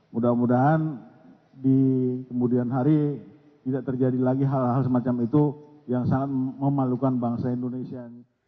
mudah mudahan di kemudian hari tidak terjadi lagi hal hal semacam itu yang sangat memalukan bangsa indonesia